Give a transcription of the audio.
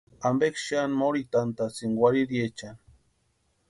¿Ampeksï xani morhitantasïni warhiriechani?